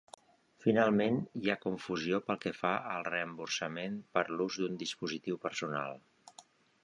Finalment, hi ha confusió pel que fa al reemborsament per l'ús d'un dispositiu personal.